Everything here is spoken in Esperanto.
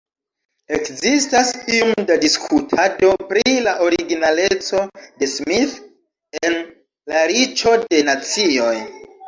Ekzistas iom da diskutado pri la originaleco de Smith en La Riĉo de Nacioj.